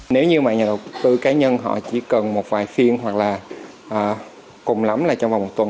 nếu như mà nhà đầu tư cá nhân họ chỉ cần một vài phiên hoặc là cùng lắm là trong vòng một tuần